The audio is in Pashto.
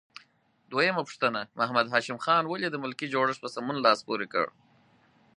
دویمه پوښتنه: محمد هاشم خان ولې د ملکي جوړښت په سمون لاس پورې کړ؟